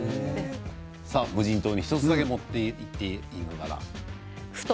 無人島に１つだけ持っていっていいと言ったら？